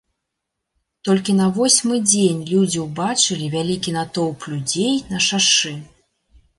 Толькі на восьмы дзень людзі ўбачылі вялікі натоўп людзей на шашы.